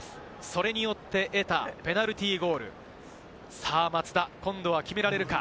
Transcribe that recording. それによって得たペナルティーゴール、松田、今度は決められるか？